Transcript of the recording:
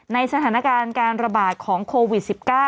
สถานการณ์การระบาดของโควิด๑๙